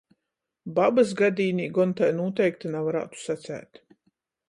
Babys gadīnī gon tai nūteikti navarātu saceit.